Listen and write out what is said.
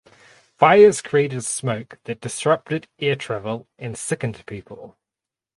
Fires created smoke that disrupted air travel and sickened people.